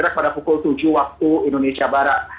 pada pukul tujuh waktu indonesia barat